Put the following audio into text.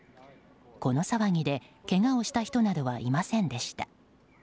この騒ぎで、けがをした人などはいませんでした。